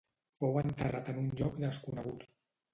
Fou enterrat en un lloc desconegut.